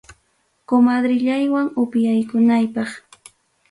Comadrellaywan upiaykunaypaq.